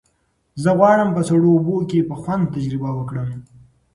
زه غواړم په سړو اوبو کې په خوند تجربه وکړم.